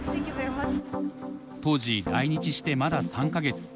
当時来日してまだ３か月。